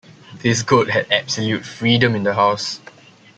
This goat had absolute freedom in the house.